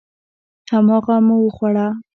هماغه مو وخوړه.